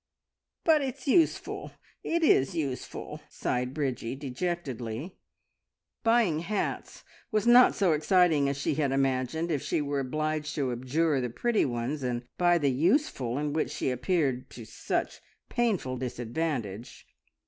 "But it's useful it is useful!" sighed Bridgie dejectedly. Buying hats was not so exciting as she had imagined if she were obliged to abjure the pretty ones, and buy the useful in which she appeared to such painful disadvantage.